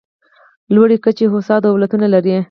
لوړې کچې هوسا دولتونه لري.